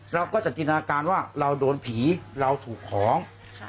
เราก็จะจินตนาการว่าเราโดนผีเราถูกของ